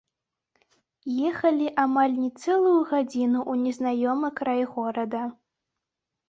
Ехалі амаль не цэлую газіну ў незнаёмы край горада.